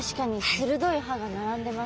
鋭い歯が並んでますね。